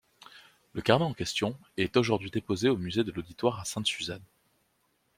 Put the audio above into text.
Le carnet en question est aujourd’hui déposé au Musée de l'auditoire à Sainte-Suzanne.